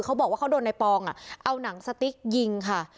เขาบอกว่าเขาโดนในปองเอาหนังสติ๊กยิงค่ะ